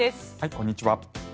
こんにちは。